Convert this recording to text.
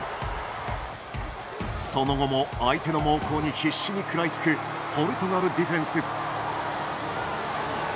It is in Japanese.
その後も、相手の猛攻に必死に食らいつくポルトガルディフェンス。